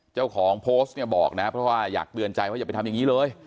เจ้าของโพสต์เนี่ยบอกนะเพราะว่าอยากเตือนใจว่าอย่าไปทำอย่างนี้เลย